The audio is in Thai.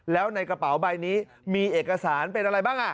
แล้วในกระเป๋าใบนี้มีเอกสารเป็นอะไรบ้าง